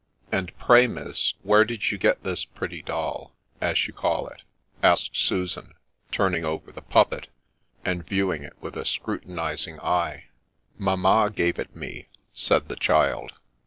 ' And pray, Miss, where did you get this pretty doll, as you call it ?' asked Susan, turning over the puppet, and viewing it with a scrutinizing eye. ' Mamma gave it me,' said the child.